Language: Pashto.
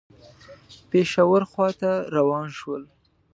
پېښور خواته روان شول.